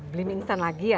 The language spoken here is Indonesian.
beli mie instan lagi ya